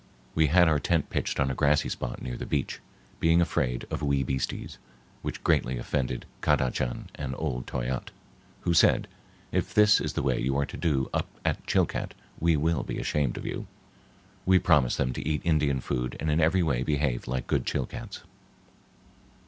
We had our tent pitched on a grassy spot near the beach, being afraid of wee beasties; which greatly offended Kadachan and old Toyatte, who said, "If this is the way you are to do up at Chilcat, we will be ashamed of you." We promised them to eat Indian food and in every way behave like good Chilcats.